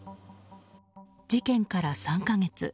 事件から３か月。